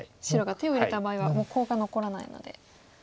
白が手を入れた場合はもうコウが残らないので。